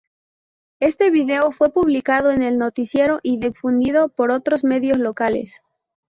Este video fue publicado en el noticiero y difundido por otros medios locales.